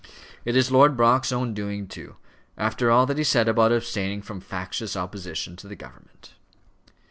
It is Lord Brock's own doing too, after all that he said about abstaining from factious opposition to the government."